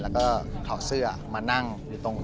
แล้วก็ถอดเสื้อมานั่งอยู่ตรง